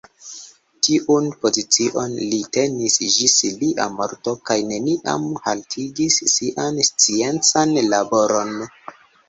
Tiun pozicion li tenis ĝis lia morto kaj neniam haltigis sian sciencan laboron.